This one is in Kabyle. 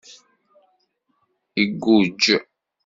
Igujj.